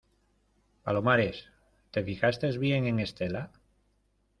palomares, ¿ te fijaste bien en Estela?